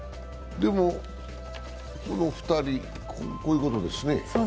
でもこの２人、こういうことですね。